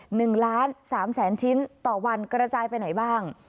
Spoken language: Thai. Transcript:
หนึ่งล้านสามแสนชิ้นต่อวันกระจายไปไหนบ้าง